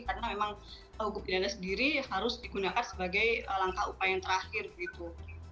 karena memang hukum pidana sendiri harus digunakan sebagai langkah upaya yang terakhir gitu